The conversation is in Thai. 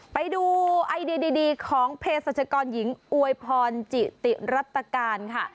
ไปดูไอเดียดีของเพศรัชกรหญิงอวยพรจิติรัตการค่ะ